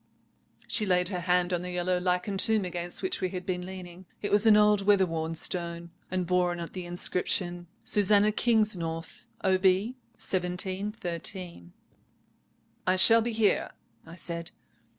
"She laid her hand on the yellow lichened tomb against which we had been leaning. It was an old weather worn stone, and bore on it the inscription— 'Susannah Kingsnorth, Ob. 1713.' "'I shall be here.' I said.